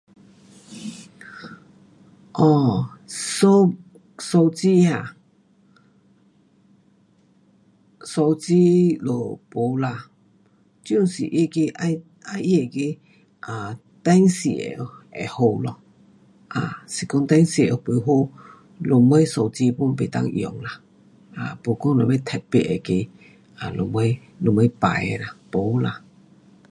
哦，手，手机啊，手机就没啦，就是那个要，要他那个，啊，电视会好咯，啊，是讲若讲电视不好，什么手机 pun 不能用啊。啊，没讲什么特别那个什么牌啦，没啦。